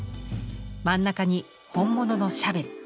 真ん中に本物のシャベル。